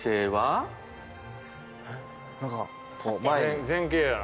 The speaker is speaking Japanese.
前傾やな。